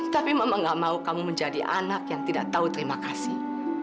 tapi memang gak mau kamu menjadi anak yang tidak tahu terima kasih